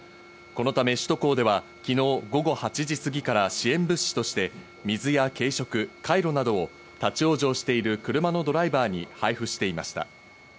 このため首都高では昨日午後８時過ぎから支援物資として水や軽食、カイロなどを立ち往生している車のドライバーに配布していました。